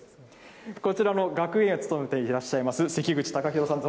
こちらの学芸員を務めていらっしゃいます関口貴広さんです。